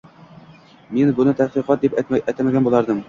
— Men buni tadqiqot deb atamagan boʻlardim.